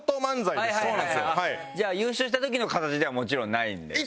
じゃあ優勝した時の形ではもちろんないんですよね？